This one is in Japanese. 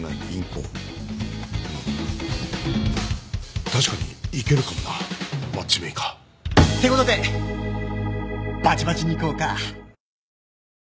うん確かにいけるかもなマッチメーカー。ってことでバチバチにいこうか。